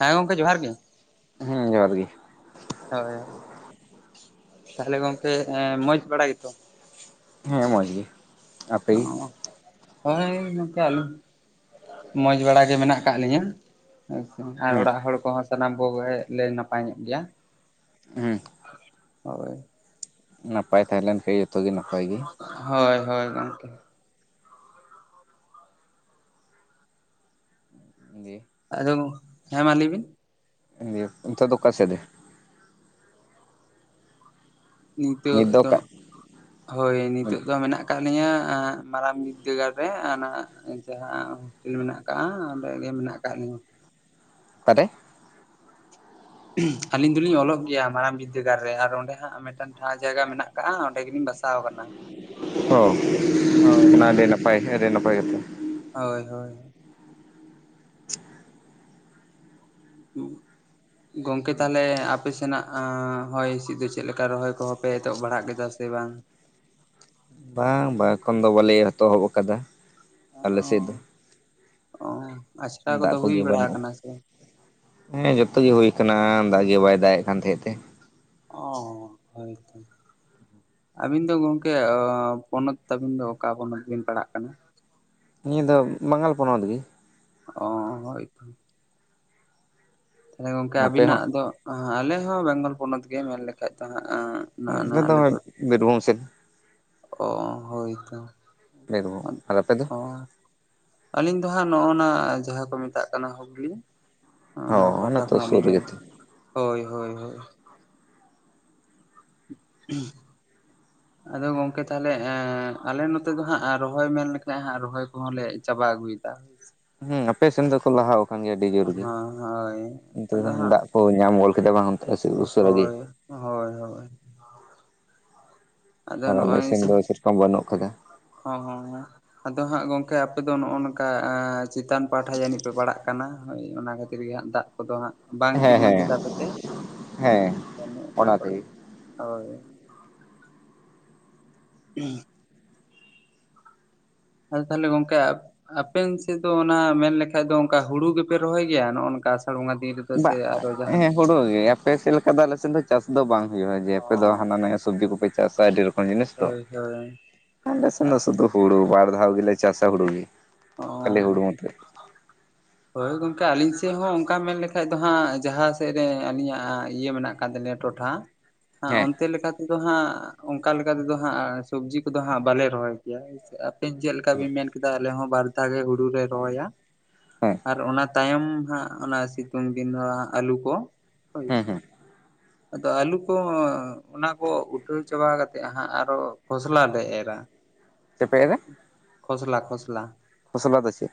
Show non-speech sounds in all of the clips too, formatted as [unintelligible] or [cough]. ᱦᱮᱸ ᱜᱚᱝᱠᱮ ᱡᱚᱦᱟᱨ ᱜᱮᱼᱼ ᱦᱮᱸ ᱡᱚᱦᱟᱨ ᱜᱮ᱾ ᱦᱳᱭ ᱦᱳᱭ ᱛᱟᱦᱚᱞᱮ ᱜᱚᱝᱠᱮ ᱢᱚᱡᱽ ᱵᱟᱲᱟ ᱜᱮᱛᱚ? ᱦᱮᱸ ᱢᱚᱡᱽ ᱜᱮ᱾ ᱟᱯᱮ ᱚᱻ ᱜᱮ ᱦᱚᱸ-ᱚᱭ ᱱᱝᱠᱟ ᱟᱹᱞᱤᱧ [inaudible] ᱢᱚᱡᱽ ᱵᱟᱲᱟ ᱜᱮ ᱢᱮᱱᱟᱜ ᱟᱠᱟᱜ ᱞᱤᱧᱟᱹ᱾ ᱟᱪᱪᱷᱟ, ᱟᱨ ᱦᱮᱸ ᱚᱲᱟᱜ ᱦᱚᱲ ᱠᱚ ᱦᱚᱸ ᱥᱟᱱᱟᱢ ᱠᱚᱜᱮ ᱞᱮ ᱱᱟᱯᱟᱭ ᱧᱚᱜ ᱜᱮᱭᱟ ᱦᱮᱸ [inaudible] ᱦᱳᱭ, ᱱᱟᱯᱟᱭ ᱛᱟᱦᱮᱸ ᱞᱮᱱ ᱠᱷᱟᱡ ᱡᱚᱛᱚ ᱜᱮ ᱱᱟᱯᱟᱭ ᱜᱮ᱾ ᱦᱳᱭ ᱦᱳᱭ, ᱜᱚᱝᱠᱮ ᱫᱤᱭᱮ ᱟᱫᱚ, ᱦᱮᱸ ᱢᱟ ᱞᱟᱹᱭ ᱵᱤᱱ᱾ ᱚᱱᱛᱮ ᱫᱚ ᱚᱠᱟᱥᱮᱫ ᱨᱮ? ᱱᱤᱛᱚᱜ ᱱᱤᱛ ᱫᱚ ᱚᱠᱟ ᱦᱳᱭ ᱱᱤᱛᱚᱜ ᱫᱚ ᱢᱮᱱᱟᱜ ᱟᱠᱟᱫ ᱞᱤᱧᱟᱹ ᱢᱟᱨᱟᱝ ᱵᱤᱫᱽᱫᱟᱹᱜᱟᱲ ᱨᱮ ᱚᱱᱟ ᱡᱟᱦᱟᱸ ᱢᱮᱱᱟᱜ ᱟᱠᱟᱫᱼᱟ ᱚᱸᱰᱮ ᱜᱮ ᱢᱮᱱᱟᱜ ᱟᱠᱟᱫ ᱞᱤᱧᱟ ᱾ ᱚᱠᱟᱨᱮ? ᱟᱹᱞᱤᱧ ᱫᱚᱞᱤᱧ ᱚᱞᱚᱜ ᱜᱮᱭᱟ ᱢᱟᱨᱟᱝ ᱵᱤᱫᱽᱫᱟᱹᱜᱟᱲ ᱨᱮ ᱟᱨ ᱚᱸᱰᱮ ᱦᱟᱸᱜ ᱢᱤᱫᱴᱟᱝ ᱴᱷᱟᱶ ᱡᱟᱭᱜᱟ ᱢᱮᱱᱟᱜ ᱠᱟᱜ-ᱟ ᱚᱸᱰᱮ ᱜᱮᱞᱤᱧ ᱵᱟᱥᱟᱣ ᱠᱟᱱᱟ᱾ ᱦᱚᱸ ᱚᱱᱟ ᱟᱹᱰᱤ ᱱᱟᱯᱟᱭ ᱟᱹᱰᱤ ᱱᱟᱯᱟᱭ ᱠᱟᱛᱷᱟ᱾ ᱦᱳᱭ ᱦᱳᱭ, [unintelligible] ᱜᱚᱝᱠᱮ ᱛᱟᱦᱚᱞᱮ ᱟᱯᱮ ᱥᱮᱱᱟᱜ ᱦᱚᱭ ᱦᱤᱸᱥᱤᱫ ᱫᱚ ᱪᱮᱫ ᱞᱮᱠᱟ ᱨᱚᱦᱚᱭ ᱠᱚᱦᱚᱸ ᱯᱮ ᱮᱛᱚᱦᱚᱵ ᱵᱟᱲᱟᱦᱟᱜ ᱠᱮᱫᱟ ᱥᱮ ᱵᱟᱝ? ᱵᱟᱝ ᱵᱟᱝ ᱮᱠᱷᱚᱱ ᱫᱚ ᱵᱟᱞᱮ ᱮᱛᱚᱦᱚᱵ ᱟᱠᱟᱫᱟ ᱟᱞᱮ ᱥᱮᱫ ᱫᱚ ᱚ ᱟᱪᱷᱲᱟ ᱫᱟᱜ ᱠᱚᱫᱚ ᱦᱩᱭ ᱠᱚᱜᱮ ᱵᱟᱲᱟ ᱵᱟᱹᱱᱩᱜ ᱟᱠᱟᱱᱟ ᱟᱠᱟᱫᱟ᱾ ᱥᱮ ᱵᱟᱝ? ᱦᱮᱸ ᱡᱚᱛᱚ ᱜᱮ ᱦᱩᱭ ᱠᱟᱱᱟ ᱫᱟᱜ ᱜᱮ ᱵᱟᱭ ᱫᱟᱜ ᱮᱫ ᱠᱟᱱ ᱛᱟᱦᱮᱸᱫ ᱛᱮ᱾ ᱚ ᱦᱳᱭ ᱛᱚ᱾ ᱟᱹᱵᱤᱱ ᱫᱚ ᱜᱚᱝᱠᱮ ᱯᱚᱱᱚᱛ ᱛᱟᱹᱵᱤᱱ ᱫᱚ ᱚᱠᱟ ᱯᱚᱱᱚᱛ ᱵᱤᱱ ᱯᱟᱲᱦᱟᱜ ᱠᱟᱱᱟ? ᱱᱤᱭᱟᱹ ᱫᱚ ᱵᱟᱝᱜᱟᱞ ᱯᱚᱱᱚᱛ ᱜᱮ᱾ ᱚᱻ ᱦᱳᱭ ᱛᱚ, ᱛᱟᱦᱞᱮ ᱜᱚᱝᱠᱮ ᱱᱟᱯᱮ ᱦᱚᱸ ᱟᱵᱤᱱᱟᱜ ᱫᱚ ᱟᱞᱮ ᱦᱚᱸ ᱵᱮᱝᱜᱚᱞ ᱯᱚᱱᱚᱛ ᱜᱮ ᱢᱮᱱ ᱞᱮᱠᱷᱟᱡ ᱫᱚ ᱦᱟᱸᱜ᱾ ᱟᱞᱮ ᱫᱚ ᱦᱟᱸᱜ ᱵᱤᱨᱵᱷᱩᱢ ᱥᱮᱫ᱾ ᱚ ᱦᱳᱭ ᱛᱚ ᱵᱤᱨᱵᱷᱩᱢ ᱟᱨ ᱟᱯᱮ ᱫᱚ ᱚᱻ ᱟᱹᱞᱤᱧ ᱫᱚ ᱦᱟᱸᱜ ᱱᱚᱜᱼᱚᱱᱟ ᱡᱟᱦᱟᱸ ᱠᱚ ᱢᱮᱛᱟᱜ ᱠᱟᱱᱟ ᱦᱩᱜᱽᱞᱤ᱾ ᱚᱱᱟ ᱦᱚᱸ ᱯᱟᱦᱴᱟ ᱚᱱᱮ ᱛᱚ ᱠᱷᱚᱱᱟᱜ ᱥᱩᱨ ᱞᱤᱧ ᱨᱮᱜᱮ ᱢᱮᱱᱫᱟ ᱛᱚ᱾ ᱦᱳᱭ ᱦᱳᱭ ᱦᱳᱭ, [inaudible] [unintelligible] ᱟᱫᱚ ᱜᱚᱝᱠᱮ ᱛᱟᱦᱚᱞᱮ ᱟᱞᱮ ᱱᱚᱛᱮ ᱫᱚ ᱦᱟᱸᱜ ᱨᱚᱦᱚᱭ ᱢᱮᱱ ᱞᱮᱠᱷᱟᱱ ᱦᱟᱸᱜ ᱨᱚᱦᱚᱭ ᱠᱚᱦᱚᱸ ᱞᱮ ᱪᱟᱵᱟ ᱟᱹᱜᱩᱭᱮᱫᱟ᱾ ᱦᱮᱸ ᱟᱯᱮ ᱥᱮᱱ ᱫᱚᱠᱚ ᱞᱟᱦᱟᱣ ᱟᱠᱟᱱ ᱜᱮᱭᱟ ᱟᱹᱰᱤ ᱡᱳᱨ ᱜᱮ ᱦᱮᱸ ᱦᱳᱭ [inaudible] ᱚᱱᱛᱮ ᱫᱚ ᱫᱟᱜ ᱠᱚ ᱧᱟᱢ ᱜᱚᱞ ᱠᱮᱫᱟ ᱵᱟᱝ᱾ ᱚ ᱩᱥᱟᱹᱨᱟ ᱜᱮ ᱦᱳᱭ ᱦᱳᱭ ᱦᱳᱭ, ᱟᱫᱚ ᱟᱨ ᱟᱞᱮ ᱱᱚᱜᱼᱚᱭ ᱥᱮᱱ ᱫᱚ ᱥᱮᱨᱚᱠᱚᱢ ᱵᱟᱹᱱᱩᱜ ᱟᱠᱟᱫᱟ᱾ ᱦᱚᱸ ᱦᱩᱸ ᱦᱩᱸ, ᱟᱫᱚ ᱦᱟᱸᱜ ᱜᱚᱝᱠᱮ ᱟᱯᱮ ᱫᱚ ᱱᱚᱜᱼᱚ ᱱᱚᱝᱠᱟ ᱪᱮᱛᱟᱱ ᱯᱟᱦᱴᱷᱟ ᱡᱟᱹᱱᱤᱡ ᱯᱮ ᱯᱟᱲᱟᱜ ᱠᱟᱱᱟ ᱦᱳᱭ ᱚᱱᱟ ᱠᱷᱟᱹᱛᱤᱨ ᱜᱮ ᱦᱟᱸᱜ ᱫᱟᱜ ᱠᱚᱫᱚ ᱦᱟᱸᱜ ᱵᱟᱝ ᱦᱮᱸ ᱛᱤᱸᱜᱩᱱ ᱦᱮᱸ ᱜᱮᱛᱟ ᱯᱮ ᱛᱮ ᱦᱮᱸ [inaudible] ᱚᱱᱟ ᱠᱚᱨᱮ ᱫᱚ ᱦᱳᱭ, [inaudible] ᱟᱫᱚ ᱛᱟᱦᱚᱞᱮ ᱜᱚᱝᱠᱮ ᱟᱯᱮᱱ ᱥᱮᱫ ᱫᱚ ᱚᱱᱟ ᱢᱮᱱᱞᱠᱷᱟᱡ ᱫᱚ ᱚᱱᱠᱟ ᱦᱩᱲᱩ ᱜᱮᱯᱮ ᱨᱚᱦᱚᱭ ᱜᱮᱭᱟ ᱱᱚᱜᱼᱚ ᱱᱚᱝᱠᱟ ᱟᱥᱟᱲ ᱵᱚᱸᱜᱟ ᱫᱤᱱ ᱨᱮ ᱫᱚ? ᱵᱟᱦ ᱦᱮᱸ ᱦᱩᱲᱩ ᱜᱮ ᱟᱯᱮ ᱥᱮᱫ ᱞᱮᱠᱟ ᱫᱚ ᱟᱞᱮᱥᱮᱱ ᱫᱚ ᱪᱟᱥ ᱫᱚ ᱵᱟᱝ ᱦᱩᱭᱩᱜᱼᱟ ᱡᱮ ᱚ ᱟᱯᱮ ᱫᱚ ᱦᱟᱱᱟᱱᱤᱭᱟ ᱥᱚᱵᱽᱡᱤ ᱠᱚᱯᱮ ᱪᱟᱥᱟ ᱟᱹᱰᱤ ᱨᱚ ᱠᱚᱢ ᱡᱤᱱᱤᱥ ᱛᱚ ᱦᱳᱭ ᱦᱳᱭ ᱟᱞᱮ ᱥᱮᱱ ᱫᱚ ᱥᱩᱫᱩ ᱦᱩᱲᱩ ᱵᱟᱨ ᱫᱷᱟᱣ ᱜᱮᱞᱮ ᱪᱟᱥᱟ ᱦᱩᱲᱩ ᱜᱮ᱾ ᱚᱻ ᱠᱷᱟᱹᱞᱤ ᱦᱩᱲᱩ ᱢᱚᱛᱚ ᱦᱳᱭ ᱜᱚᱝᱠᱮ ᱟᱞᱤᱧ ᱥᱮᱫ ᱦᱚᱸ ᱚᱱᱠᱟ ᱢᱮᱱ ᱞᱮᱠᱷᱟᱡ ᱫᱚ ᱦᱟᱸᱜ ᱡᱟᱦᱟᱸ ᱥᱮᱫ ᱨᱮ ᱟᱞᱤᱧᱟᱜ ᱤᱭᱟᱹ ᱢᱮᱱᱟᱜ ᱠᱟᱜ ᱛᱟᱞᱤᱧᱟ ᱟᱸ ᱴᱚᱴᱷᱟ ᱦᱟᱸ ᱦᱮᱸ ᱚᱱᱛᱮ ᱞᱮᱠᱟ ᱫᱚ ᱦᱟᱸᱜ ᱚᱱᱠᱟ ᱞᱮᱠᱟᱛᱮᱫᱚ ᱦᱟᱸᱜ ᱥᱚᱵᱡᱤ ᱠᱚᱫᱚ ᱦᱟᱸᱜ ᱵᱟᱞᱮ ᱨᱚᱦᱚᱭ ᱜᱮᱭᱟ᱾ ᱟᱯᱮᱱ ᱪᱮᱫ ᱞᱮᱠᱟ ᱵᱤᱱ ᱢᱮᱱ ᱠᱮᱫᱟ ᱟᱞᱮ ᱦᱚᱸ ᱵᱟᱨ ᱫᱷᱟᱣ ᱜᱮ ᱦᱩᱲᱩ ᱞᱮ ᱨᱚᱦᱚᱭᱟ ᱦᱮᱸ ᱟᱨ ᱚᱱᱟ ᱛᱟᱭᱚᱢ ᱦᱟᱸᱜ ᱚᱱᱟ ᱥᱤᱛᱩᱝ ᱫᱤᱱ ᱫᱚ ᱟᱞᱩ ᱠᱚ ᱦᱳᱭ ᱦᱮᱸ ᱥᱮ᱾ ᱦᱮᱸ ᱟᱫᱚ ᱟᱞᱩ ᱠᱚᱦᱚᱸ ᱚᱱᱟ ᱠᱚ ᱩᱴᱷᱟᱹᱣ ᱪᱟᱵᱟ ᱠᱟᱛᱮᱫ ᱦᱟᱸᱜ ᱟᱨᱚ ᱠᱷᱚᱥᱞᱟ ᱞᱮ ᱮᱨᱟ᱾ ᱪᱮᱜ ᱯᱮ ᱮᱨᱟ? ᱠᱷᱚᱥᱞᱟ ᱠᱷᱚᱥᱞᱟ᱾ ᱠᱷᱚᱥᱞᱟ ᱫᱚ ᱪᱮᱫ?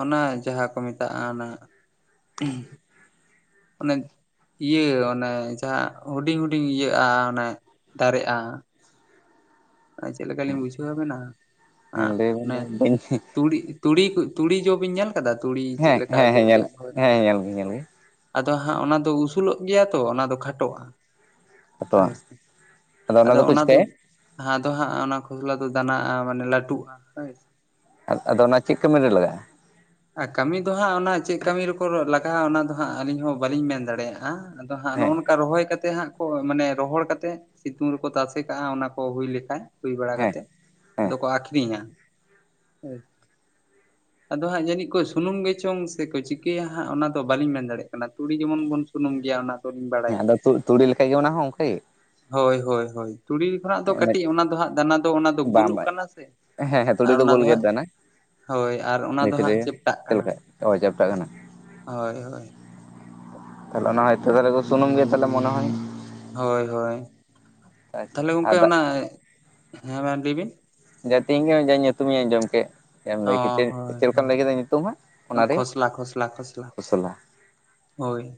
ᱚᱱᱟ ᱡᱟᱦᱟᱸ ᱠᱚ ᱢᱮᱛᱟᱜᱼᱟ ᱚᱱᱟ ᱚᱱᱮ ᱤᱭᱟᱹ ᱚᱱᱮ ᱡᱟᱦᱟᱸ ᱦᱩᱰᱤᱧ ᱦᱩᱰᱤᱧ ᱤᱭᱟᱹᱜᱼᱟ ᱚᱱᱮ ᱫᱟᱨᱮᱜᱼᱟ, ᱪᱮᱫ ᱞᱮᱠᱟ ᱞᱤᱧ ᱵᱩᱡᱷᱟᱹᱣ ᱟᱵᱤᱱᱟ ᱟ ᱦᱮᱸ ᱞᱟᱹᱭ ᱵᱮᱱ ᱱᱮ ᱵᱟᱹᱧ ᱛᱩᱲᱤ ᱛᱩᱲᱤ ᱠᱚ ᱛᱩᱲᱤ ᱡᱚ ᱵᱤᱱ ᱧᱮᱞ ᱠᱟᱫᱟ ᱛᱩᱲᱤ ᱪᱮᱫ ᱦᱮᱸ ᱞᱮᱠᱟ ᱦᱮᱸ ᱦᱮᱸ ᱡᱚᱜ ᱧᱮᱞ ᱜᱮᱭᱟ ᱦᱳᱭ ᱦᱮᱸ ᱧᱮᱞ ᱜᱮ ᱧᱮᱞ ᱜᱮ ᱟᱫᱚ ᱦᱟᱸᱜ ᱚᱱᱟ ᱫᱚ ᱩᱥᱩᱞᱚᱜ ᱜᱮᱭᱟ ᱛᱚ ᱚᱱᱟ ᱫᱚ ᱠᱷᱟᱴᱚᱜᱼᱟ᱾ ᱦᱟᱛᱣᱟ ᱦᱳᱭ ᱥᱮ ᱟᱫᱚ ᱚᱱᱟ ᱫᱚ ᱦᱟᱸ ᱫᱚ ᱦᱟᱸᱜ ᱚᱱᱟ ᱠᱷᱚᱥᱞᱟ ᱫᱚ ᱫᱟᱱᱟᱜ-ᱟ ᱢᱟᱱᱮ ᱞᱟᱴᱩᱜᱼᱟ ᱦᱳᱭ ᱥᱮ᱾ ᱟᱫ ᱟᱫᱚ ᱚᱱᱟ ᱪᱮᱫ ᱠᱟᱹᱢᱤ ᱨᱮ ᱞᱟᱜᱟᱜᱼᱟ? ᱟ ᱠᱟᱢᱤ ᱫᱚ ᱦᱟᱸᱜ ᱚᱱᱟ ᱪᱮᱫ ᱠᱟᱢᱤ ᱨᱮᱠᱚ ᱞᱟᱜᱟᱣᱟ ᱚᱱᱟ ᱫᱚ ᱦᱟᱸᱜ ᱟᱞᱤᱧ ᱦᱚᱸ ᱵᱟᱞᱤᱧ ᱢᱮᱱ ᱫᱟᱲᱮᱭᱟᱜᱼᱟ᱾ ᱟᱫᱚ ᱦᱟᱸᱜ ᱱᱚᱜᱼᱚ ᱦᱮᱸ ᱱᱚᱝᱠᱟ ᱨᱚᱦᱚᱭ ᱠᱟᱛᱮ ᱦᱟᱸᱜ ᱠᱚ ᱢᱟᱱᱮ ᱨᱚᱦᱚᱲ ᱠᱟᱛᱮᱜ ᱥᱤᱛᱩᱝ ᱨᱮᱠᱚ ᱛᱟᱥᱮ ᱠᱟᱜᱼᱟ ᱚᱱᱟ ᱠᱚ ᱦᱩᱭ ᱞᱮᱠᱷᱟᱡ, ᱦᱩᱭ ᱵᱟᱲᱟ ᱦᱮᱸ ᱠᱟᱛᱮᱜ ᱟᱫᱚ ᱠᱚ ᱦᱮᱸ ᱟᱠᱷᱨᱤᱧᱟ᱾ ᱦᱳᱭ ᱟᱫᱚ ᱦᱟᱸᱜ ᱡᱟᱹᱱᱤᱡ ᱠᱚ ᱥᱩᱱᱩᱢ ᱜᱮᱪᱚᱝ ᱥᱮᱠᱚ ᱪᱤᱠᱟᱹᱭᱟ ᱦᱟᱸᱜ ᱚᱱᱟ ᱫᱚ ᱵᱟᱞᱤᱧ ᱢᱮᱱ ᱫᱟᱲᱮᱭᱟᱜ ᱠᱟᱱᱟ ᱛᱩᱲᱤ ᱡᱮᱢᱚᱱ ᱵᱚᱱ ᱥᱩᱱᱩᱢ ᱜᱮᱭᱟ ᱚᱱᱟ ᱫᱚᱞᱤᱧ ᱦᱮᱸ ᱵᱟᱲᱟᱭᱟ ᱟᱫᱚ ᱛᱩ ᱛᱩᱲᱤ ᱞᱮᱠᱟ ᱜᱮ ᱚᱱᱟ ᱦᱚᱸ ᱚᱝᱠᱮ? ᱦᱳᱭ ᱦᱳᱭ ᱦᱳᱭ ᱛᱩᱲᱤ ᱠᱷᱚᱱᱟᱜ ᱫᱚ ᱚᱱᱮ ᱠᱟᱴᱤᱡ ᱚᱱᱟ ᱫᱚ ᱦᱟᱸᱜ ᱫᱟᱱᱟ ᱫᱚ ᱚᱱᱟ ᱫᱚ ᱵᱟᱝ ᱜᱩᱞᱩᱜ ᱵᱟᱝ ᱠᱟᱱᱟ ᱥᱮ ᱦᱮᱸ ᱦᱮᱸ ᱟᱨ ᱛᱩᱲᱤ ᱚᱱᱟ ᱫᱚ ᱜᱳᱞ ᱜᱮ ᱦᱟᱸᱜ ᱫᱟᱱᱟ ᱦᱳᱭ ᱟᱨ ᱚᱱᱟ ᱫᱚ ᱵᱷᱤᱛᱨᱤ ᱨᱮ ᱦᱟᱸᱜ ᱪᱮᱯ ᱪᱮᱫ ᱞᱮᱠᱟ ᱚ ᱪᱮᱯᱴᱟᱜ ᱠᱟᱱᱟ? ᱦᱳᱭ ᱦᱳᱭ ᱛᱟᱦᱚᱞᱮ ᱚᱱᱟ ᱦᱚᱭᱛᱚ ᱛᱟᱦᱞᱮ ᱠᱚ ᱥᱩᱱᱩᱢ ᱜᱮᱭᱟ ᱛᱟᱦᱮᱞᱮ ᱢᱚᱱᱮ ᱦᱚᱭ᱾ ᱦᱳᱭ ᱦᱳᱭ ᱟᱪᱪᱷᱟ ᱛᱟᱦᱚᱞᱮ ᱟᱨ ᱜᱚᱢᱠᱮ ᱫᱟᱜ ᱚᱱᱟ ᱦᱮᱸ ᱢᱟ ᱞᱟᱹᱭ ᱵᱤᱱ᱾ ᱡᱟ ᱛᱮᱦᱮᱧ ᱜᱮ ᱡᱟ ᱧᱩᱛᱩᱢᱤᱧ ᱟᱸᱡᱚᱢ ᱠᱮᱜ᱾ ᱪᱮᱜ ᱮᱢ ᱞᱟᱹᱭ ᱠᱮᱫ ᱪᱮ ᱪᱮᱫ ᱞᱮᱠᱟᱢ ᱞᱟᱹᱭ ᱠᱮᱫᱟ ᱧᱩᱛᱩᱢ ᱦᱟᱜ ᱚᱱᱟ ᱨᱮᱭᱟᱜ ᱠᱷᱚᱥᱞᱟ᱾ ᱦᱳᱭ᱾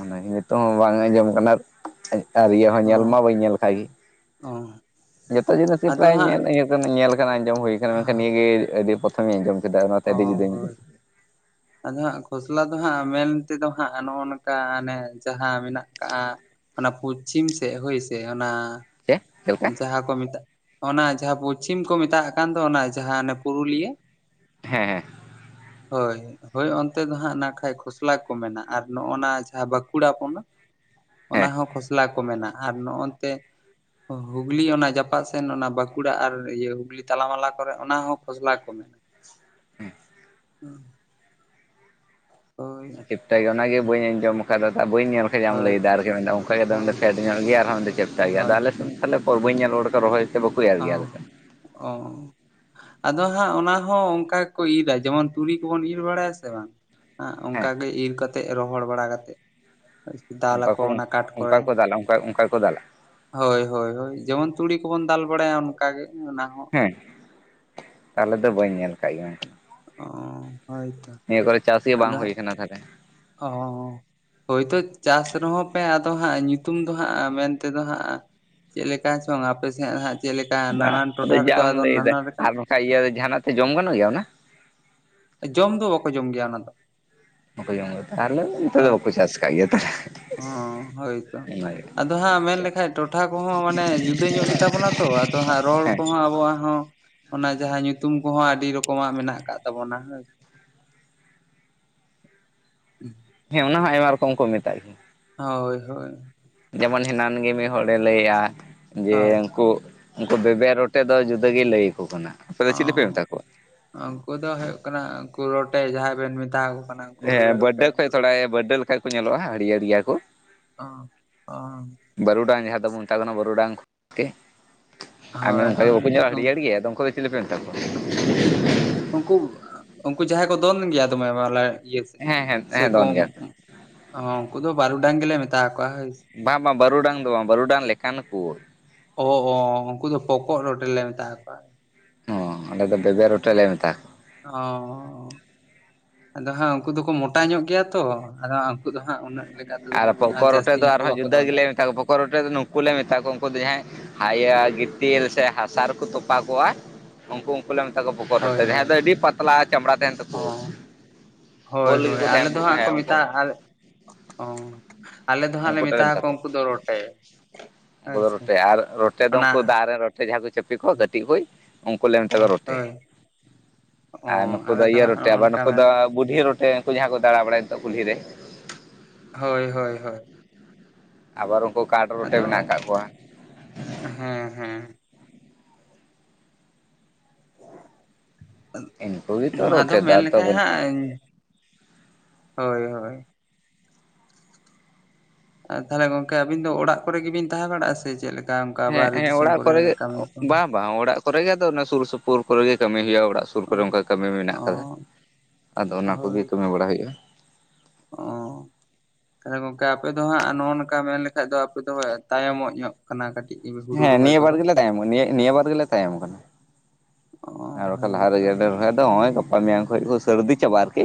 ᱚᱱᱟ ᱜᱮ ᱱᱤᱛᱚᱜ ᱦᱚᱸ ᱵᱟᱝ ᱟᱸᱡᱚᱢ ᱠᱟᱱᱟ ᱟᱨ ᱤᱭᱟᱹ ᱦᱚᱸ ᱧᱮᱞ ᱢᱟ ᱵᱟᱹᱧ ᱧᱮᱞ ᱠᱟᱜ ᱜᱤ᱾ ᱚ᱾ ᱡᱷᱚᱛᱚ ᱡᱤᱱᱤᱥ ᱜᱮ ᱯᱨᱟᱭ ᱧᱮᱞ ᱠᱟᱱᱟ ᱟᱸᱡᱚᱢ ᱦᱩᱭ ᱠᱟᱱᱟ ᱢᱮᱱᱠᱷᱟᱱ ᱱᱤᱭᱟᱹ ᱜᱮ ᱟᱹᱰᱤ ᱯᱨᱚᱛᱷᱚᱢᱤᱧ ᱟᱸᱡᱚᱢ ᱠᱮᱫᱟ᱾ ᱚᱱᱟᱛᱮ ᱚ ᱟᱹᱰᱤ ᱡᱩᱫᱟᱹᱧ ᱦᱳᱭ᱾ ᱟᱫᱚ ᱦᱟᱸᱜ ᱠᱷᱚᱥᱞᱟ ᱫᱚ ᱦᱟᱸᱜ ᱢᱮᱱ ᱛᱮᱫᱚ ᱦᱟᱸᱜ ᱱᱚᱜᱼᱚ ᱱᱚᱝᱠᱟ ᱟᱱᱮ ᱡᱟᱦᱟᱸ ᱢᱮᱱᱟᱜ ᱠᱟᱜᱼᱟ, ᱚᱱᱟ ᱯᱚᱪᱪᱷᱤᱢ ᱥᱮᱜ ᱦᱳᱭ ᱥᱮ ᱚᱱᱟ ᱪᱮᱫ ᱪᱮᱫ ᱞᱮᱠᱟ ᱡᱟᱦᱟᱸ ᱠᱚ ᱢᱮᱛᱟᱜ ᱚᱱᱟ ᱡᱟᱦᱟᱸ ᱯᱚᱪᱪᱷᱤᱢ ᱠᱚ ᱢᱮᱛᱟᱜ ᱠᱟᱱ ᱫᱚ ᱚᱱᱟ ᱡᱟᱦᱟᱸ ᱚᱱᱮ ᱯᱩᱨᱩᱞᱤᱭᱟᱹ᱾ ᱦᱮᱸ ᱦᱮᱸ ᱦᱳᱭ ᱦᱳᱭ ᱚᱱᱛᱮ ᱫᱚ ᱦᱟᱸᱜ ᱱᱟᱜ ᱠᱷᱟᱡ ᱠᱷᱚᱥᱞᱟ ᱠᱚ ᱢᱮᱱᱟ ᱟᱨ ᱱᱚᱜᱼᱱᱟ ᱡᱟᱦᱟᱸ ᱵᱟᱠᱩᱲᱟ ᱠᱚ ᱚᱱᱟ? ᱚᱱᱟ ᱦᱮᱸ ᱦᱚᱸ ᱠᱷᱚᱥᱞᱟ ᱠᱚ ᱢᱮᱱᱟ ᱟᱨ ᱱᱚᱜᱼᱚ ᱱᱚᱛᱮ ᱦᱩᱜᱽᱞᱤ ᱚᱱᱟ ᱡᱟᱯᱟᱜ ᱥᱮᱱ ᱚᱱᱟ ᱵᱟᱸᱠᱩᱲᱟ ᱟᱨ ᱤᱭᱟᱹ ᱦᱩᱜᱽᱞᱤ ᱛᱟᱞᱟᱢᱟᱞᱟ ᱠᱚᱨᱮ ᱚᱱᱟ ᱦᱚᱸ ᱠᱷᱚᱥᱞᱟ ᱠᱚ ᱢᱮᱱᱟ᱾ [inaudible] [inaudible] [inaudible] ᱦᱳᱭ ᱪᱮᱯᱴᱟ ᱜᱮᱭᱟ ᱚᱱᱟᱜᱮ ᱵᱟᱹᱧ ᱟᱸᱡᱚᱢ ᱠᱟᱫᱟ ᱫᱟ ᱵᱟᱹᱧ ᱧᱮᱞ ᱯᱷᱮᱟᱢ ᱦᱳᱭ ᱞᱟᱹᱭᱮᱫᱟ ᱟᱨᱠᱤ ᱢᱮᱱᱫᱟ ᱚᱱᱠᱟᱜᱮ ᱦᱳᱭ ᱟᱫᱚ ᱯᱷᱮᱰ ᱧᱚᱜ ᱜᱮ ᱟᱨᱦᱚᱸᱫᱚ ᱪᱮᱯᱴᱟ ᱜᱮᱭᱟ ᱟᱫᱚ ᱦᱳᱭ ᱟᱞᱮ [unintelligible] ᱦᱳᱭ ᱛᱟᱦᱚᱞᱮ ᱦᱚᱨ ᱵᱟᱹᱧ ᱧᱮᱞ ᱨᱚᱲᱟᱲᱫᱟ ᱨᱚᱦᱚᱭ ᱛᱮ ᱵᱟᱠᱚ ᱮᱨ ᱜᱮᱭᱟ ᱟ [unintelligible] ᱚ ᱟᱫᱚ ᱦᱟᱸᱜ ᱚᱱᱟ ᱦᱚᱸ ᱚᱱᱠᱟ ᱜᱮᱠᱚ ᱤᱨᱟ ᱡᱮᱢᱚᱱ ᱛᱩᱲᱤ ᱠᱚᱵᱚᱱ ᱤᱨ ᱵᱟᱲᱟᱭᱟ ᱥᱮ ᱵᱟᱝ᱾ ᱦᱟᱸᱜ ᱦᱮᱸ ᱚᱱᱠᱟᱜᱮ ᱤᱨ ᱠᱟᱛᱮᱜ ᱨᱚᱦᱚᱲ ᱵᱟᱲᱟ ᱠᱟᱛᱮᱜ ᱫᱟᱞ ᱚᱱᱠᱟ ᱟᱠᱚ ᱠᱚ ᱚᱱᱟ ᱠᱟᱴ ᱚᱱᱠᱟ ᱠᱚᱨᱮ ᱠᱚ ᱫᱟᱞᱟ ᱚᱱᱠᱟ ᱚᱱᱠᱟ ᱠᱚ ᱫᱟᱞᱟ ᱦᱳᱭ ᱦᱳᱭ ᱦᱳᱭ ᱡᱮᱢᱚᱱ ᱛᱩᱲᱤ ᱠᱚᱵᱚᱱ ᱫᱟᱞ ᱵᱟᱲᱟᱭᱟ ᱚᱱᱠᱟᱜ ᱜᱮ ᱚᱱᱟ ᱦᱚᱸ ᱦᱮᱸ ᱛᱟᱦᱚᱞᱮ ᱫᱚ ᱵᱟᱹᱧ ᱧᱮᱞ ᱠᱟᱜ ᱜᱮᱭᱟ᱾ ᱚ ᱦᱚᱭᱛᱚ [unintelligible] ᱱᱤᱭᱟᱹ ᱠᱚᱨᱮ ᱪᱟᱥ ᱜᱮ ᱵᱟᱝ ᱦᱩᱭ ᱟᱠᱟᱱᱟ ᱛᱟᱦᱚᱞᱮ᱾ ᱚ ᱦᱳᱭᱛᱳ ᱪᱟᱥ ᱨᱮᱦᱚᱸ ᱯᱮ ᱟᱫᱚ ᱦᱟᱸᱜ ᱧᱩᱛᱩᱢ ᱫᱚ ᱦᱟᱸᱜ ᱢᱮᱱᱛᱮᱫᱚ ᱦᱟᱸᱜ ᱪᱮᱫ ᱞᱮᱠᱟ ᱪᱚᱝ ᱟᱯᱮᱥᱮᱫ ᱦᱟᱸᱜ ᱪᱮᱫ ᱞᱮᱠᱟ ᱵᱟᱝ ᱱᱟᱱᱟᱱ ᱴᱚᱴᱷᱟ ᱟᱫᱚ ᱨᱮᱫᱚ ᱡᱟᱢ ᱞᱟᱹᱭᱫᱟ ᱱᱟᱱᱟ ᱞᱮᱠᱟᱱ ᱟᱨ ᱱᱚᱝᱠᱟ ᱤᱭᱟᱹ ᱡᱟᱦᱟᱸᱱᱟᱜ ᱛᱮ ᱡᱚᱢ ᱜᱟᱱᱚᱜ ᱜᱮᱭᱟ ᱚᱱᱟ᱾ ᱡᱚᱢ ᱫᱚ ᱵᱟᱠᱚ ᱡᱚᱢ ᱜᱮᱭᱟ ᱚᱱᱟ ᱫᱚ᱾ [unintelligible] ᱟᱨᱞᱮ ᱞᱟᱹᱭ ᱢᱮ ᱱᱚᱛᱮ ᱫᱚ ᱦᱳᱭ ᱵᱟᱠᱩ ᱪᱟᱥ ᱟᱠᱟᱫ ᱜᱮᱭᱟ ᱦᱳᱭᱛᱚ [unintelligible] ᱟᱫᱚ ᱦᱟᱸᱜ ᱢᱮᱱᱞᱮᱠᱷᱟᱡ ᱴᱚᱴᱷᱟ ᱠᱚᱦᱚᱸ ᱢᱟᱱᱮ ᱡᱩᱫᱟᱹ ᱧᱚᱜ ᱜᱮᱛᱟ ᱵᱚᱱᱟ ᱛᱚ ᱟᱫᱚ ᱦᱟᱸᱜ ᱨᱚᱲ ᱦᱮᱸ ᱠᱚᱦᱚᱸ ᱟᱵᱚᱣᱟᱜ ᱦᱚᱸ ᱚᱱᱟ ᱡᱟᱦᱟᱸ ᱧᱩᱛᱩᱢ ᱠᱚᱦᱚᱸ ᱟᱹᱰᱤ ᱨᱚᱠᱚᱢᱟᱜ ᱢᱮᱱᱟᱜ ᱟᱠᱟᱫ ᱛᱟᱵᱚᱱᱟ ᱦᱟᱸᱜ᱾ [unintelligible] ᱦᱮᱸ ᱚᱱᱟ ᱦᱚᱸ ᱟᱭᱢᱟ ᱨᱚᱠᱚᱢ ᱠᱚ ᱢᱮᱛᱟᱜ ᱜᱮᱭᱟ᱾ ᱦᱳᱭ ᱦᱳᱭ ᱡᱮᱢᱚᱱ ᱦᱮᱱᱟᱱ ᱜᱮ ᱢᱤᱫ ᱦᱚᱲᱮ ᱞᱟᱹᱭᱼᱟ ᱡᱮ ᱦᱚᱸ ᱩᱱᱠᱩ ᱩᱱᱠᱩ ᱵᱮᱵᱮᱨ ᱨᱚᱴᱮ ᱫᱚ ᱡᱩᱫᱟᱹ ᱜᱮ ᱞᱟᱹᱭ ᱟᱠᱚ ᱠᱟᱱᱟ᱾ ᱟᱯᱮ ᱫᱚ ᱚ ᱪᱤᱞᱤ ᱯᱮ ᱢᱮᱛᱟ ᱠᱚᱣᱟ? ᱩᱱᱠᱩ ᱫᱚ ᱦᱩᱭᱩᱜ ᱠᱟᱱᱟ ᱩᱱᱠᱩ ᱨᱚᱴᱮ ᱡᱟᱦᱟᱸᱭ ᱵᱮᱱ ᱢᱮᱛᱟ ᱟᱠᱚ ᱦᱮᱸ ᱵᱟᱹᱨᱰᱟᱹ ᱠᱷᱚᱡ ᱛᱷᱚᱲᱟ ᱵᱟᱹᱨᱰᱟᱹ ᱞᱮᱠᱟ ᱠᱚ ᱧᱮᱞᱚᱜᱼᱟ ᱦᱟᱹᱨᱭᱟᱹᱲ ᱜᱮᱭᱟ ᱠᱚ᱾ ᱚ ᱚ ᱵᱟᱹᱨᱩᱰᱟᱝ ᱡᱟᱦᱟᱸ ᱫᱚᱵᱚᱱ ᱢᱮᱛᱟ ᱠᱚ ᱠᱟᱱᱟ ᱵᱟᱹᱨᱩᱰᱟᱝ [unintelligible] ᱦᱳᱭ ᱚᱱᱠᱟ ᱜᱮ ᱵᱟᱠᱚ ᱦᱳᱭ ᱧᱮᱞᱚᱜᱼᱟ ᱩᱱ- ᱦᱟᱹᱨᱭᱟᱹᱲ ᱜᱮ ᱟᱫᱚ [unintelligible] ᱪᱤᱞᱤ ᱯᱮ ᱢᱮᱛᱟ ᱠᱚᱣᱟ? ᱩᱱᱠᱩ ᱩᱱᱠᱩ ᱡᱟᱦᱟᱸᱭ ᱠᱚ ᱫᱚᱱ ᱜᱮᱭᱟ ᱫᱚᱢᱮ ᱢᱟᱞᱮ᱾ ᱦᱮᱸ ᱦᱮᱸ [unintelligible] ᱥᱮ ᱦᱮᱸ ᱠᱚ ᱫᱚᱱ ᱜᱮᱭᱟ ᱩᱱᱠᱩ ᱫᱚ ᱵᱟᱹᱨᱩᱰᱟᱝ ᱜᱮᱞᱮ ᱢᱮᱛᱟ ᱠᱚᱣᱟ᱾ ᱥᱮ ᱵᱟᱝ ᱵᱟᱝ ᱵᱟᱹᱨᱩᱰᱟᱝ ᱫᱚ ᱵᱟᱝ ᱵᱟᱹᱨᱩᱰᱟᱝ ᱞᱮᱠᱟᱱ ᱠᱚ᱾ ᱚ ᱚ ᱩᱱᱠᱩ ᱫᱚ ᱯᱚᱠᱚᱜ ᱨᱚᱴᱮ ᱞᱮ ᱢᱮᱛᱟ ᱠᱚᱣᱟ᱾ ᱦᱚᱸ ᱟᱞᱮ ᱫᱚ ᱵᱮᱵᱮ ᱨᱚᱴᱮ ᱞᱮ ᱢᱮᱛᱟ ᱠᱚᱣᱟ᱾ ᱚ ᱟᱫᱚ ᱦᱟᱸᱜ ᱩᱱᱠᱩ ᱫᱚᱠᱚ ᱢᱚᱴᱟ ᱧᱚᱜ ᱜᱮᱭᱟ ᱛᱚ ᱟᱫᱚ ᱩᱱᱠᱩ ᱫᱚ ᱦᱟᱸᱜ ᱩᱱᱟᱹᱜ ᱞᱮᱠᱟᱛᱮᱫᱚ ᱟᱨ ᱦᱟᱸᱜ ᱡᱟᱹᱥᱛᱤ ᱧᱚᱜ ᱫᱚ ᱵᱟᱠᱚ ᱫᱚᱱ ᱫᱟᱲᱮᱭᱟᱜᱼᱟ᱾ ᱯᱚᱠᱚᱜ ᱨᱚᱴᱮ ᱫᱚ ᱱᱩᱠᱩ ᱞᱮ ᱢᱮᱛᱟ ᱠᱚᱣᱟ ᱩᱱᱠᱩ ᱫᱚ ᱡᱟᱦᱟᱸᱭ ᱦᱟᱭ ᱜᱤᱛᱤᱞ ᱥᱮ ᱦᱟᱥᱟ ᱨᱮᱠᱚ ᱛᱚᱯᱟ ᱠᱚᱣᱟ᱾ ᱩᱱᱠᱩ ᱩᱱᱠᱩ ᱞᱮ ᱢᱮᱛᱟ ᱠᱚᱣᱟ ᱯᱚᱠᱚᱜ ᱦᱳᱭ ᱨᱚᱴᱮ ᱦᱳᱭ ᱡᱟᱦᱟᱸᱭ ᱫᱚ ᱟᱹᱰᱤ ᱯᱟᱛᱞᱟ ᱪᱟᱢᱲᱟ ᱛᱟᱦᱮᱱᱼᱼ ᱛᱯ ᱚ ᱦᱳᱭ ᱵᱞ ᱜᱮ ᱦᱳᱭ ᱠᱚ ᱟᱞᱮ ᱦᱮᱸ ᱫᱚ ᱦᱟᱸᱜ ᱠᱚ ᱢᱮᱛᱟᱜᱼᱟ [unintelligible] ᱟᱞᱮ ᱚ ᱟᱞᱮ ᱫᱚᱦᱟᱸᱜ ᱞᱮ ᱩᱱᱠᱩ ᱴᱟᱜ ᱢᱮᱛᱟ ᱠᱚ ᱠᱚᱣᱟ ᱩᱱᱠᱩ ᱫᱚ ᱨᱚᱴᱮᱼᱼ ᱩᱱᱠᱩ ᱫᱚ ᱨᱚᱴᱮ ᱟᱨ ᱨᱚᱴᱮ ᱫᱚ ᱩᱱᱠᱩ ᱫᱟᱜ ᱨᱮᱱ ᱨᱚᱴᱮ ᱡᱟᱦᱟᱸ ᱠᱚ ᱪᱟᱹᱯᱤ ᱠᱚᱜᱼᱟ ᱠᱟᱹᱴᱤᱡ ᱠᱚᱼᱼ ᱩᱱᱠᱩ ᱞᱮ ᱢᱮᱛᱟ ᱠᱚᱣᱟ ᱨᱚᱴᱮ ᱦᱳᱭ ᱚ ᱟᱨ ᱱᱩᱠᱩ ᱟᱞᱮ ᱫᱚ ᱤᱭᱟᱹ ᱦᱟᱸᱜ ᱨᱚᱴᱮ ᱱᱚᱜᱼᱚ ᱟᱵᱟᱨ ᱱᱚᱝᱠᱟ ᱱᱩᱠᱩ ᱢᱮᱱ ᱫᱚᱼᱼ ᱵᱩᱰᱷᱤ ᱨᱚᱴᱮ ᱩᱱᱠᱩ ᱡᱟᱦᱟᱸ ᱠᱚ ᱫᱟᱬᱟ ᱵᱟᱲᱟᱭ ᱱᱤᱛᱚᱜ ᱠᱩᱞᱦᱤ ᱨᱮᱼᱼ ᱦᱳᱭ ᱦᱳᱭ ᱦᱳᱭ, ᱟᱵᱟᱨ ᱩᱱᱠᱩ ᱠᱟᱴ ᱨᱚᱴᱮ ᱢᱮᱱᱟᱜ ᱟᱫᱚ ᱟᱠᱟᱫ ᱠᱚᱣᱟ᱾ ᱦᱮᱸ ᱦᱮᱸ, ᱤᱱᱠᱩ ᱜᱮᱛᱚ ᱟᱫᱚ ᱨᱚᱴᱮ ᱫᱚ ᱢᱮᱱ ᱟᱨ ᱛᱚ ᱞᱮᱠᱷᱟᱡ ᱵᱟᱹᱱᱩᱜ ᱠᱚᱣᱟ᱾ ᱦᱟᱸᱜ ᱦᱳᱭ ᱦᱳᱭᱼᱼ ᱟᱨ ᱛᱟᱦᱚᱞᱮ ᱜᱚᱝᱠᱮ ᱟᱹᱵᱤᱱ ᱫᱚ ᱚᱲᱟᱜ ᱠᱚᱨᱮ ᱜᱮᱵᱤᱱ ᱛᱟᱦᱮᱸ ᱵᱟᱲᱟᱜᱼᱟ ᱥᱮ ᱪᱮᱫ ᱞᱮᱠᱟᱼᱼ ᱟᱢᱠᱟ ᱦᱮᱸ ᱵᱟᱦᱮᱨᱮ ᱦᱮᱸ ᱫᱤᱥᱚᱢ ᱚᱲᱟᱜ ᱠᱚᱨᱮ ᱜᱮ ᱠᱟᱹᱢᱤ ᱠᱚ? ᱵᱟᱝ ᱵᱟᱝ ᱚᱲᱟᱜ ᱠᱚᱨᱮ ᱜᱮ ᱟᱫᱚ ᱥᱩᱨ ᱥᱩᱯᱩᱨ ᱠᱚᱨᱮ ᱜᱮ ᱠᱟᱹᱢᱤ ᱦᱩᱭᱩᱜᱼᱟ᱾ ᱚᱲᱟᱜ ᱥᱩᱨ ᱚ ᱠᱚᱨᱮ ᱚᱱᱠᱟ ᱠᱟᱹᱢᱤ ᱢᱮᱱᱟᱜ ᱟᱠᱟᱫᱟ ᱟᱫᱚ ᱚᱱᱟ ᱠᱚᱜᱮ ᱠᱟᱹᱢᱤ ᱵᱟᱲᱟ ᱦᱩᱭᱩᱜ ᱜᱮᱭᱟ ᱚᱸᱻ ᱛᱟᱦᱚᱞᱮ ᱜᱚᱝᱠᱮ ᱟᱯᱮ ᱫᱚ ᱦᱟᱸᱜ ᱱᱚᱜᱼᱚᱸᱭ ᱱᱚᱝᱠᱟ ᱢᱮᱱ ᱞᱮᱠᱷᱟᱡ ᱫᱚ ᱟᱯᱮ ᱫᱚ ᱦᱟᱸᱜ ᱛᱟᱭᱚᱢᱚᱜ ᱧᱚᱜᱼᱼ ᱠᱟᱱᱟ ᱠᱟᱹᱴᱤᱡ ᱦᱩᱲᱩ ᱦᱮᱸ ᱨᱚᱦᱚᱭ ᱱᱤᱭᱟᱹ ᱵᱟᱨ ᱠᱚᱫᱚ᱾ ᱜᱮᱞᱮ ᱱᱤᱭᱟᱹ ᱱᱤᱭᱟᱹ ᱵᱟᱨ ᱜᱮᱞᱮ ᱛᱟᱭᱚᱢ ᱠᱟᱱᱟ ᱚ ᱟᱨ ᱵᱟᱠᱷᱟᱡ ᱞᱟᱦᱟ ᱨᱮ ᱦᱳᱭᱛᱚ ᱜᱮᱞᱮ ᱨᱚᱦᱚᱭ ᱫᱚ ᱨᱚᱦᱚᱭᱼᱼ ᱠᱟ ᱢᱮᱭᱟᱝ ᱠᱷᱚᱡ ᱠᱚ ᱥᱟᱹᱨᱫᱤ ᱪᱟᱵᱟᱜ ᱟᱨᱠᱤᱼᱼ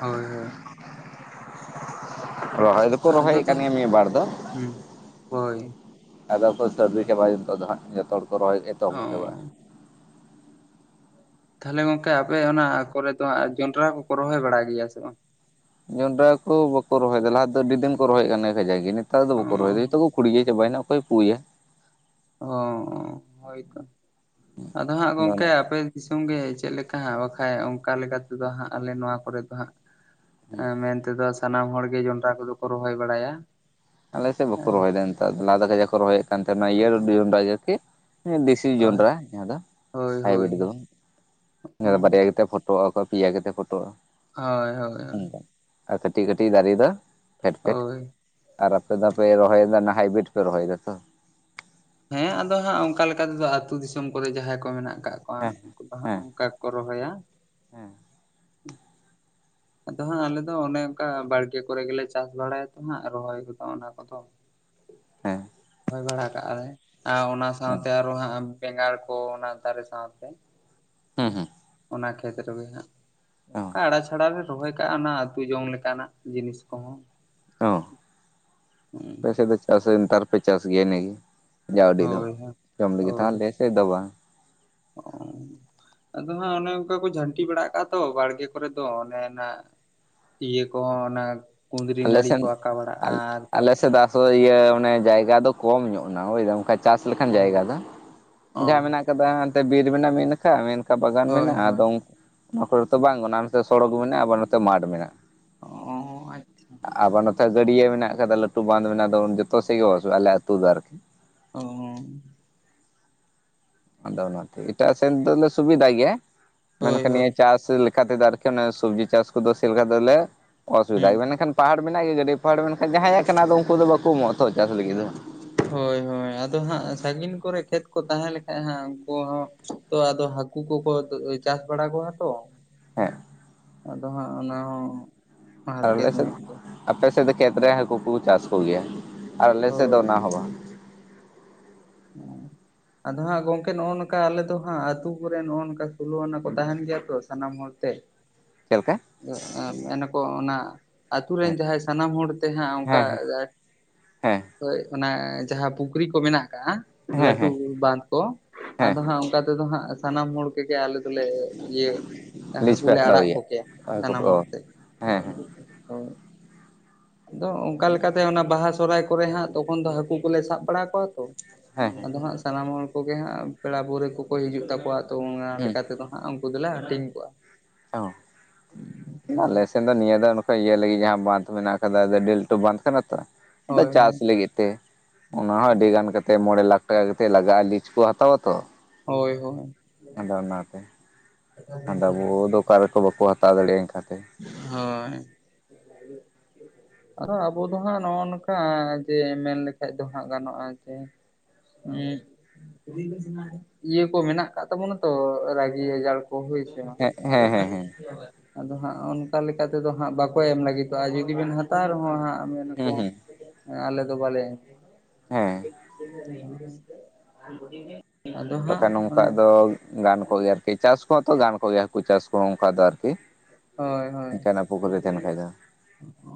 ᱦᱳᱭ ᱦᱳᱭ ᱨᱚᱦᱚᱭ ᱫᱚᱠᱚ ᱟᱫᱚ ᱨᱚᱦᱚᱭᱮᱫ ᱠᱟᱱ ᱛᱟᱦᱚᱞᱮ ᱜᱮᱭᱟ ᱢᱤᱫ ᱵᱟᱲ ᱫᱚ᱾ ᱦᱩᱸ ᱦᱳᱭ ᱟᱫᱚ ᱠᱚ ᱥᱟᱵᱽᱡᱤ ᱪᱟᱵᱟᱭᱮᱱ ᱱᱤᱛᱚᱜ ᱫᱚ ᱦᱟᱸᱜ ᱡᱚᱛᱚ ᱦᱚᱲ ᱠᱚ ᱨᱚᱦᱚᱭ ᱮᱛᱚᱦᱚᱵ ᱚ ᱪᱟᱵᱟᱜᱼᱟ᱾ ᱛᱟᱦᱚᱞᱮ ᱜᱚᱝᱠᱮ ᱟᱯᱮ ᱚᱱᱟ ᱠᱚᱨᱮ ᱫᱚ ᱦᱟᱸᱜ ᱡᱚᱱᱰᱨᱟ ᱠᱚᱠᱚ ᱨᱚᱦᱚᱭ ᱵᱟᱲᱟ ᱜᱮᱭᱟ ᱥᱮ ᱵᱟᱝ? ᱡᱚᱱᱰᱨᱟ ᱠᱚ ᱵᱟᱠᱚ ᱨᱚᱦᱚᱭᱫᱟ ᱞᱟᱦᱟ ᱫᱚ ᱟᱹᱰᱤ ᱫᱤᱱ ᱠᱚ ᱨᱚᱦᱚᱭ ᱠᱟᱱᱟ ᱠᱟᱡᱟᱠ ᱜᱮ ᱱᱤᱛᱼᱼ ᱱᱮᱛᱟᱨ ᱫᱚ ᱵᱟᱠᱚ ᱚ ᱨᱚᱦᱚᱭᱫᱟ ᱡᱚᱛᱚ ᱠᱚ ᱠᱩᱲᱤᱭᱟᱹ ᱪᱟᱵᱟᱭᱱᱟ ᱚᱠᱚᱭ ᱯᱩᱭᱟ᱾ ᱚ ᱦᱳᱭ ᱛᱚ ᱟᱫᱚ ᱦᱟᱸᱜ ᱜᱚᱝᱠᱮ ᱟᱯᱮ, ᱫᱤᱥᱚᱢ ᱜᱮ ᱪᱮᱫ ᱞᱮᱠᱟ ᱦᱟᱸᱜ ᱵᱟᱠᱷᱟᱡ ᱚᱝᱠᱟ ᱞᱮᱠᱟ ᱛᱮᱫᱚ ᱦᱟᱸᱜ ᱟᱞᱮ ᱱᱚᱶᱟ ᱠᱚᱨᱮ ᱫᱚ ᱦᱟᱸᱜᱼᱼ ᱮᱸ ᱢᱮᱱ ᱛᱮᱫᱚ ᱥᱟᱱᱟᱢ ᱦᱚᱲ ᱜᱮ ᱡᱚᱱᱰᱨᱟ ᱠᱚᱫᱚ ᱠᱚ ᱨᱚᱦᱚᱭ ᱵᱟᱲᱟᱭᱟ᱾ ᱟᱞᱮ ᱥᱮᱫ ᱵᱟᱠᱚ ᱦᱳᱭ ᱨᱚᱦᱚᱭᱫᱟ ᱱᱮᱛᱟᱨ ᱫᱚ ᱞᱟᱦᱟ ᱫᱚ [unintelligible] ᱨᱚᱦᱚᱭᱮᱫ ᱠᱟᱱ ᱛᱟᱦᱮᱱᱟ ᱱᱚᱶᱟ ᱤᱭᱟᱹ ᱡᱚᱱᱰᱨᱟ ᱡᱟᱹᱠᱤ ᱵᱤᱥᱼᱼ [unintelligible] ᱡᱚᱱᱰᱨᱟ ᱡᱟᱦᱟᱸ ᱫᱚ ᱦᱳᱭ ᱦᱳᱭ ᱦᱟᱭᱵᱤᱰ ᱫᱚ ᱵᱟᱝ ᱵᱟᱨᱭᱟ ᱦᱳᱭ ᱜᱤᱛᱟ ᱯᱷᱚᱴᱼᱼ ᱯᱷᱚᱴᱚᱜᱼᱟ ᱯᱮᱭᱟ ᱠᱟᱛᱮ ᱯᱷᱚᱴᱚᱜᱼᱟ᱾ ᱦᱟᱭ ᱦᱟᱭ ᱦᱟᱭ᱾ ᱚᱱᱠᱟ ᱟᱨ ᱠᱟᱹᱴᱤᱡ ᱠᱟᱹᱴᱤᱡ ᱫᱟᱨᱮ ᱫᱚ ᱯᱷᱮᱰ ᱯᱷᱮᱰ᱾ ᱦᱳᱭ ᱟᱨ ᱟᱯᱮ ᱫᱚᱯᱮ ᱨᱚᱦᱚᱭᱮᱫᱟ ᱱᱟ ᱦᱟᱭᱵᱤᱰ ᱯᱮ ᱨᱚᱦᱚᱭᱮᱫᱟ ᱛᱚ᱾ ᱦᱮᱸ ᱟᱫᱚ ᱦᱟᱸᱜ ᱚᱝᱼᱠᱟ ᱞᱮᱠᱟ ᱛᱮᱫᱚ ᱟᱛᱩ ᱫᱤᱥᱚᱢ ᱠᱚᱨᱮ ᱡᱟᱦᱟᱸᱭ ᱠᱚ ᱢᱮᱱᱟᱜᱼᱼ ᱠᱟᱫ ᱠᱚᱶᱟ ᱦᱮᱸ ᱩᱱᱠᱩ ᱫᱚ ᱦᱟᱸᱜ ᱦᱮᱸ ᱚᱱᱠᱟ ᱜᱮᱠᱚ ᱨᱚᱦᱚᱭᱟ᱾ ᱦᱮᱸ ᱟᱫᱚ ᱦᱟᱸᱜ ᱟᱞᱮ ᱫᱚ ᱚᱱᱮ ᱚᱝᱠᱟ ᱵᱟᱲᱜᱮ ᱠᱚᱨᱮ ᱜᱮᱞᱮ ᱪᱟᱥ ᱵᱟᱲᱟᱭᱫᱟ ᱦᱟᱸᱜ ᱨᱚᱦᱚᱭ ᱠᱚᱫᱚ ᱚᱱᱟ ᱠᱚᱫᱚᱼᱼ ᱦᱩᱭ ᱵᱟᱲᱟ ᱠᱟᱫ ᱟᱞᱮ ᱟᱨ ᱚᱱᱟ ᱥᱟᱶᱛᱮ ᱟᱨᱦᱚᱸ ᱦᱟᱸᱜᱼᱼ ᱵᱮᱸᱜᱟᱲ ᱠᱚ ᱚᱱᱟ ᱫᱟᱨᱮ ᱥᱟᱶᱛᱮ ᱦᱩᱸ ᱦᱩᱸ ᱚᱱᱟ ᱠᱷᱮᱛ ᱨᱮᱜᱮ ᱦᱟᱸᱜᱼᱼ ᱚ ᱟᱲᱟ ᱪᱷᱟᱲᱟ ᱞᱮ ᱨᱚᱦᱚᱭ ᱠᱟᱫᱼᱟ ᱚᱱᱟ ᱦᱟᱸᱜ ᱟᱹᱛᱩ ᱡᱚᱢ ᱞᱮᱠᱟᱱᱟᱜ ᱡᱤᱱᱤᱥ ᱠᱚᱦᱚᱸ᱾ ᱦᱚᱸ ᱦᱩᱸ ᱟᱯᱮ ᱥᱮᱫ ᱫᱚ ᱪᱟᱥ ᱱᱮᱛᱟᱨ ᱯᱮ ᱪᱟᱥ ᱜᱮᱭᱟ ᱤᱱᱟᱹᱜᱮ, ᱡᱟᱣᱰᱤ ᱫᱚ ᱦᱳᱭ ᱦᱳᱭ ᱡᱚᱢ ᱞᱟᱹᱜᱤᱫ [unintelligible] ᱥᱮ ᱫᱚ ᱵᱟᱝ, ᱚᱻ ᱟᱫᱚ ᱦᱟᱸᱜ ᱚᱱᱮ ᱚᱝᱠᱟ ᱠᱚ ᱡᱷᱟᱹᱱᱴᱤ ᱵᱟᱲᱟ ᱠᱟᱫᱼᱟ ᱛᱚ ᱵᱟᱲᱜᱮ ᱠᱚᱨᱮ ᱫᱚ ᱚᱱᱮᱱᱟ ᱤᱭᱟᱹ ᱠᱚᱦᱚᱸ ᱚᱱᱟ ᱠᱩᱸᱫᱽᱨᱤ ᱱᱟᱹᱲᱤ ᱠᱚ ᱟᱠᱟ ᱵᱟᱲᱟᱜᱼᱟ ᱟᱨ ᱛᱟᱯ ᱦᱳᱭ ᱤᱭᱟᱹ ᱚᱱᱮ ᱡᱟᱭᱜᱟ ᱫᱚ ᱠᱚᱢ ᱧᱚᱜ ᱮᱱᱟ ᱵᱩᱡᱷ ᱮᱫᱟᱢ ᱵᱟᱝᱠᱷᱟᱡ ᱪᱟᱥ ᱞᱮᱠᱷᱟᱱ ᱚ ᱡᱟᱭᱜᱟ ᱫᱚ ᱚ ᱡᱟᱦᱟᱸ ᱢᱮᱱᱟᱜ [unintelligible] ᱦᱟᱱᱛᱮ ᱵᱤᱨ ᱢᱮᱱᱟᱜ ᱢᱤᱫ ᱱᱟᱠᱷᱟ ᱢᱤᱫ ᱱᱟᱠᱷᱟ ᱵᱟᱜᱟᱱ ᱦᱳᱭ ᱢᱮᱱᱟᱜᱼᱟ ᱦᱳᱭ ᱟᱫᱚ ᱢᱳᱴᱳᱨ ᱛᱚ ᱵᱟᱝ ᱚᱱᱟ ᱱᱚᱛᱮ ᱥᱚᱲᱚᱠ ᱢᱮᱱᱟᱜᱼᱟ ᱵᱟ ᱱᱚᱛᱮ ᱢᱟᱰ ᱢᱮᱱᱟᱜᱼᱟ᱾ ᱚᱸ ᱟᱪ ᱟᱵᱟᱨ ᱱᱚᱛᱮ ᱜᱟᱹᱰᱭᱟᱹ ᱢᱮᱱᱟᱜ ᱟᱠᱟᱫᱟ ᱞᱟᱹᱴᱩ ᱵᱟᱸᱫ ᱢᱮᱱᱟᱜ ᱫᱚ ᱡᱚᱛᱚ ᱥᱮᱫ ᱜᱮ ᱵᱟᱹᱥᱩᱜᱼᱟ ᱟᱞᱮ ᱟᱹᱛᱩ ᱫᱚ ᱟᱨᱠᱤ ᱚᱸᱻ ᱟᱫᱚ ᱚᱱᱟᱛᱮ ᱮᱴᱟᱜ ᱥᱮᱱ ᱫᱚᱞᱮ ᱥᱩᱵᱤᱫᱟ ᱜᱮᱭᱟ ᱦᱳᱭ ᱢᱮᱱᱠᱷᱟᱱ ᱦᱳᱭ ᱱᱤᱭᱟᱹ ᱪᱟᱥ ᱞᱮᱠ ᱠᱷᱟ ᱫᱚ ᱟᱨᱠᱤ ᱥᱚᱵᱽᱡᱤ ᱪᱟᱥ ᱠᱚᱫᱚ ᱥᱮᱞᱮᱠᱟ ᱫᱚᱞᱮ ᱚᱥᱩᱵᱤᱫᱟ ᱦᱩᱸ ᱢᱟᱱᱮᱠᱷᱟᱱ ᱯᱟᱦᱟᱲ ᱢᱮᱱᱟᱜ ᱜᱮᱭᱟ ᱜᱟᱹᱰᱤ ᱯᱟᱦᱟᱲ ᱢᱮᱱᱠᱷᱟᱱ ᱡᱟᱦᱟᱸᱭᱟᱜ ᱠᱟᱱᱟ ᱫᱚ ᱩᱝᱠᱩ ᱫᱚ ᱵᱟᱠᱚ ᱮᱢᱚᱜᱼᱟ ᱛᱚ ᱪᱟᱥ ᱞᱟᱹᱜᱤᱫ ᱫᱚ᱾ ᱦᱳᱭ ᱦᱳᱭ, ᱟᱫᱚ ᱦᱟᱸᱜ ᱥᱟᱹᱜᱤᱧ ᱠᱚᱨᱮ ᱠᱷᱮᱛ ᱠᱚ ᱛᱟᱦᱮᱸ ᱞᱮᱠᱷᱟᱡ ᱦᱟᱸᱜ ᱩᱝᱠᱩ ᱦᱚᱸ ᱛᱚ ᱟᱫᱚ ᱦᱟᱠᱩ ᱠᱚᱠᱚ ᱪᱟᱥ ᱵᱟᱲᱟ ᱠᱚᱣᱟ ᱛᱚ᱾ ᱦᱮᱸ, ᱟᱫᱚ ᱦᱟᱸᱜ ᱚᱱᱟ ᱦᱚᱸ ᱟᱨ ᱟᱞᱮ ᱦᱟᱨᱠᱮᱛ ᱥᱮᱫ ᱧᱚᱜ ᱜᱮᱭᱟ ᱟᱯᱮ ᱥᱮᱫ ᱫᱚ ᱠᱷᱮᱛ ᱨᱮ ᱦᱟᱹᱠᱩ ᱠᱚ ᱪᱟᱥ ᱠᱚ ᱜᱮᱭᱟ ᱟᱨ ᱟᱞᱮ ᱥᱮᱫ ᱫᱚ ᱦᱳᱭ ᱚᱱᱟ ᱦᱚᱸ ᱵᱟᱝ᱾ [inaudible] ᱟᱫᱚ ᱦᱟᱸᱜ ᱜᱚᱝᱠᱮ ᱱᱚᱜᱼᱚ ᱱᱚᱠᱟ ᱟᱞᱮ ᱫᱚ ᱦᱟᱸᱜ ᱟᱛᱩ ᱠᱚᱨᱮ ᱱᱚᱜᱼᱚ ᱱᱚᱝᱠᱟ ᱥᱳᱞᱳ ᱟᱱᱟ ᱠᱚ ᱛᱟᱦᱮᱱ ᱜᱮᱭᱟ ᱛᱚ ᱥᱟᱱᱟᱢ ᱦᱚᱲᱛᱮ [inaudible] ᱪᱮᱫ ᱞᱮᱠᱟ? ᱢᱮᱱᱟ ᱠᱚ ᱚᱱᱟ ᱟᱛᱳ ᱨᱮᱱ ᱡᱟᱦᱟᱸᱭ ᱥᱟᱱᱟᱢ ᱦᱚᱲ ᱛᱮ ᱦᱟᱸᱜ ᱚᱱᱠᱟ ᱦᱮᱸ ᱦᱮᱸ ᱦᱮᱸ ᱦᱮᱸ ᱦᱳᱭ ᱚᱱᱟ ᱡᱟᱦᱟᱸ ᱯᱩᱠᱷᱨᱤ ᱠᱚ ᱢᱮᱱᱟᱜ ᱠᱟᱜ-ᱟ ᱦᱮᱸ ᱞᱟᱹᱴᱩ ᱦᱮᱸ ᱵᱟᱸᱫ᱾ ᱠᱚ ᱦᱮᱸ ᱟᱫᱚ ᱦᱟᱸᱜ ᱚᱱᱠᱟ ᱛᱮᱫᱚ ᱦᱟᱸᱜ ᱥᱟᱱᱟᱢ ᱦᱚᱲ [unintelligible] ᱟᱞᱮ ᱫᱚᱞᱮ ᱤᱭᱟᱹ ᱞᱤᱡ ᱦᱟᱹᱠᱩ ᱯᱮ ᱞᱮ ᱦᱟᱛᱟᱣ ᱟᱲᱟᱜ ᱜᱮᱭᱟ ᱠᱚᱠᱮᱭᱟ ᱥᱟᱱᱟᱢ ᱚ ᱦᱚᱲᱛᱮ᱾ ᱦᱮᱸ ᱦᱮᱸ ᱦᱳᱭ, ᱟᱫᱚ ᱚᱱᱠᱟ ᱞᱮᱠᱟᱛᱮ ᱚᱱᱟ ᱵᱟᱦᱟ ᱥᱚᱦᱨᱟᱭ ᱠᱚᱨᱮ ᱦᱟᱸᱜ ᱛᱚᱠᱷᱚᱱ ᱫᱚ ᱦᱟᱹᱠᱩ ᱠᱚᱞᱮ ᱥᱟᱵ ᱵᱟᱲᱟ ᱠᱚᱣᱟ ᱛᱚ᱾ ᱦᱮᱸ ᱦᱮᱸ ᱟᱫᱚ ᱦᱟᱸᱜ ᱥᱟᱱᱟᱢ ᱦᱚᱲ ᱠᱚᱜᱮ ᱦᱟᱸᱜ ᱯᱮᱲᱟ ᱯᱟᱹᱣᱨᱟᱹ ᱠᱚᱠᱚ ᱦᱤᱡᱩᱜ ᱛᱟᱠᱚᱣᱟ ᱛᱚ ᱚᱱᱟ ᱦᱩᱸ ᱞᱮᱠᱟ ᱛᱮᱫᱚ ᱩᱱᱠᱩ ᱫᱚᱞᱮ ᱦᱟᱹᱴᱤᱧ ᱠᱚᱣᱟ᱾ ᱦᱳᱭ [unintelligible] ᱮᱱ ᱫᱚ ᱱᱤᱭᱟᱹ ᱫᱚ ᱱᱚᱝᱠᱟ ᱤᱭᱟᱹ ᱞᱟᱹᱜᱤᱫ ᱡᱟᱦᱟᱸ ᱵᱟᱸᱫᱷ ᱢᱮᱱᱟᱜ ᱟᱠᱟᱫᱟ ᱟᱫᱚ ᱟᱹᱰᱤ ᱞᱟᱹᱴᱩ ᱵᱟᱸᱫᱷ ᱠᱟᱱᱟ ᱛᱚ᱾ ᱟᱫᱚ ᱦᱳᱭ ᱪᱟᱥ ᱦᱳᱭ ᱞᱟᱹᱜᱤᱫ ᱛᱮ ᱚᱱᱟ ᱦᱚᱸ ᱟᱹᱰᱤ ᱜᱟᱱ ᱠᱟᱛᱮᱫ ᱢᱚᱬᱮ ᱞᱟᱠᱷ ᱴᱟᱠᱟ ᱠᱟᱛᱮᱫ ᱞᱟᱜᱟᱜᱼᱟ ᱞᱤᱡ ᱠᱚ ᱦᱟᱛᱟᱣᱟ ᱛᱚ᱾ ᱦᱳᱭ ᱦᱳᱭ, ᱟᱫᱚ ᱚᱱᱟᱛᱮ ᱟᱫᱚ ᱟᱵᱚ ᱫᱚ ᱚᱠᱟ ᱨᱮᱠᱚ ᱵᱟᱠᱚ ᱦᱟᱛᱟᱣ ᱫᱟᱲᱮᱭᱟᱜᱼᱟ ᱮᱱᱠᱟ ᱛᱮ᱾ ᱦᱳᱭ, [inaudible] ᱟᱫᱚ ᱟᱵᱚ ᱫᱚ ᱦᱟᱸᱜ ᱱᱚᱜᱼᱚ ᱱᱚᱝᱠᱟ ᱡᱮ ᱢᱮᱱ ᱞᱮᱠᱷᱟᱡ ᱫᱚ ᱦᱟᱸᱜ ᱜᱟᱱᱚᱜᱼᱟ ᱡᱮ ᱦᱩᱸᱻ [unintelligible] ᱤᱭᱟᱹ ᱠᱚ ᱢᱮᱱᱟᱜ ᱟᱠᱟᱫ ᱛᱟᱵᱚ ᱱᱟᱛᱚ ᱨᱟᱹᱜᱤ ᱟᱡᱟᱲ ᱠᱚ ᱦᱩᱭ ᱦᱮᱸ ᱦᱮᱸ ᱦᱮᱸ ᱦᱮᱸ ᱟᱫᱚ ᱦᱟᱸᱜ ᱚᱱᱠᱟ ᱞᱮᱠᱟ ᱛᱮᱫᱚ ᱦᱟᱸᱜ ᱵᱟᱠᱚ ᱮᱢ ᱞᱟᱹᱜᱤᱫᱚᱜᱼᱟ, ᱡᱩᱫᱤ ᱵᱮᱱ ᱦᱟᱛᱟᱣ ᱨᱮᱦᱚᱸ ᱦᱟᱸᱜ ᱦᱮᱸ ᱢᱮᱱᱟᱠᱚ ᱦᱮᱸ ᱟᱞᱮ ᱫᱚ ᱵᱟᱞᱮ ᱦᱮᱸ [inaudible] ᱦᱟᱸᱜ ᱵᱟᱠᱷᱟᱱ ᱱᱚᱝᱠᱟᱜ ᱚᱱᱮ ᱫᱚ ᱜᱟᱱ ᱠᱚ ᱜᱮᱭᱟ ᱪᱟᱥ ᱠᱚᱦᱚᱸᱛᱚ ᱜᱟᱱ ᱠᱚᱜ ᱜᱮᱭᱟ ᱦᱟᱹᱠᱩ ᱪᱟᱥ ᱠᱚᱦᱚᱸ ᱚᱱᱠᱟ ᱫᱚ ᱟᱨᱠᱤ᱾ ᱦᱳᱭ ᱦᱳᱭ, ᱚᱱᱠᱟᱱᱟᱜ ᱯᱩᱠᱷᱨᱤ ᱛᱟᱸᱦᱮᱱ ᱠᱷᱟᱡ ᱫᱚ᱾